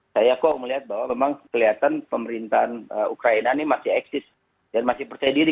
saya kok melihat bahwa memang kelihatan pemerintahan ukraina ini masih eksis dan masih percaya diri